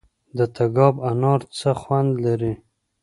د تګاب انار څه خوند لري؟